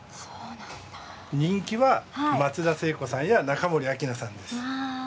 人気は松田聖子さんや中森明菜さんです。